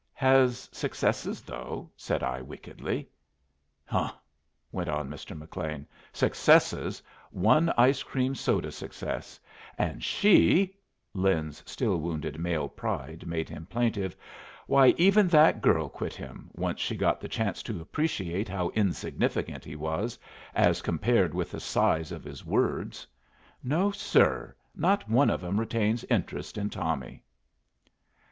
"Has successes, though," said I, wickedly. "Huh!" went on Mr. McLean. "Successes! One ice cream soda success. And she" Lin's still wounded male pride made him plaintive "why, even that girl quit him, once she got the chance to appreciate how insignificant he was as compared with the size of his words. No, sir. Not one of 'em retains interest in Tommy."